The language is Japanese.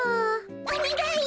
おにがいい！